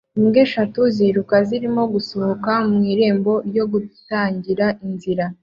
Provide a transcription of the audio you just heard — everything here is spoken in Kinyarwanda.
Imbwa eshatu ziruka zirimo zisohoka mu irembo ryo gutangira inzira